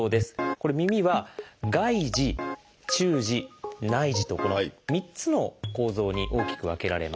これ耳は「外耳」「中耳」「内耳」とこの３つの構造に大きく分けられます。